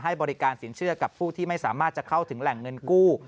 บริการสินเชื่อกับผู้ที่ไม่สามารถจะเข้าถึงแหล่งเงินกู้